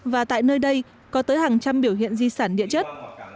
và tại nơi đây có tới hàng trăm biểu hiện di sản địa chất